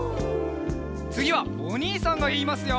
つぎはおにいさんがいいますよ。